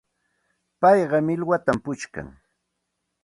Payqa millwatam puchkan.